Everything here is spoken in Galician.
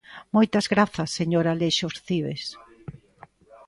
Moitas grazas, señor Alexos Cibes.